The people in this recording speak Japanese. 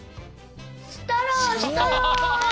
ストローストロー！